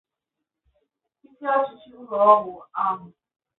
isi ọchịchị ụlọọgwụ ahụ